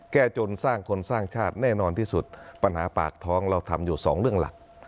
แก้จนสร้างคนสร้างชาติแน่นอนที่สุดปัญหาปากท้องเราทำอยู่สองเรื่องหลัก